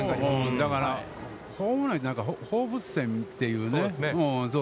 だから、ホームランって放物線という。